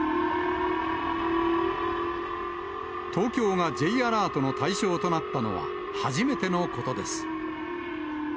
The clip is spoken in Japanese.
東京がＪアラートの対象となったのは初めてのことです。